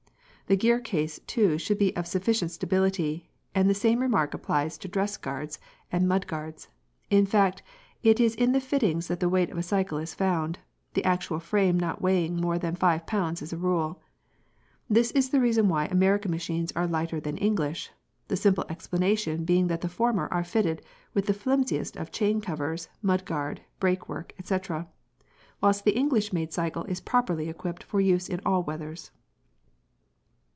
The gear case too should be of sufficient stability, and the same remark applies to the dress guards and mud guards; in fact it is in the fittings that the weight of a cycle is found, the actual frame not weighing more than 5 lbs. as a rule. This is the reason why American machines are lighter than English, the simple explanation being that the former are fitted with the flimsiest of chain covers, mud guard, brake work, etc., whilst the English made cycle is properly equipped for use in all weathers.